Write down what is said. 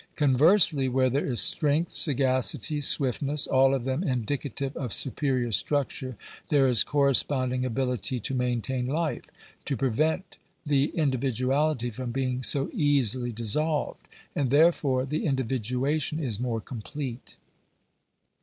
Conversely, where there is strength, sagacity, * y J swiftness (all of them indicative of superior structure), there f \ is corresponding ability to maintain life — to prevent the indi * ?J viduality from being so easily dissolved; and therefore the in *&^ v >^ividuation is more complete.